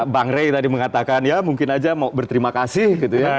bang rey tadi mengatakan ya mungkin aja mau berterima kasih gitu ya